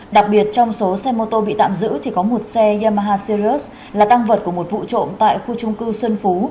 đặc biệt trong số xe mô tô bị tạm giữ thì có một xe yamaha sirius là tăng vật của một vụ trộm tại khu trung cư xuân phú